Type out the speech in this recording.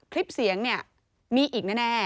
คลิปเสียงเนี่ยมีอีกแน่